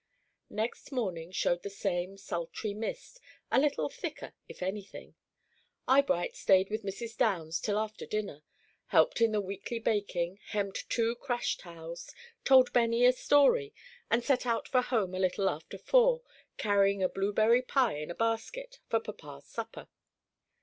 Next morning showed the same sultry mist, a little thicker if any thing. Eyebright stayed with Mrs. Downs till after dinner, helped in the weekly baking, hemmed two crash towels, told Benny a story, and set out for home a little after four, carrying a blueberry pie in a basket for papa's supper.